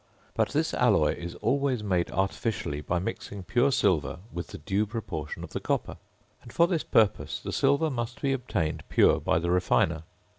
But this alloy is always made artificially by mixing pure silver with the due proportion of the copper; and for this purpose the silver must be obtained pure by the refiner.